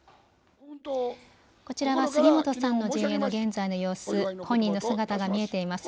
こちらは杉本さんの陣営の現在の様子、本人の姿が見えています。